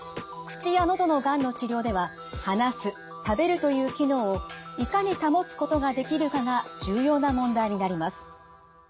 口や喉のがんの治療では「話す」「食べる」という機能をいかに保つことができるかが重要な問題になります。